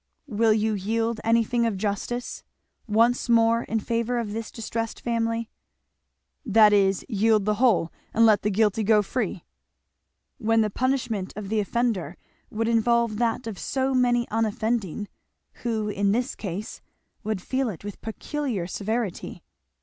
"Will you yield anything of justice, once more, in favour of this distressed family?" "That is, yield the whole, and let the guilty go free." "When the punishment of the offender would involve that of so many unoffending, who in this case would feel it with peculiar severity."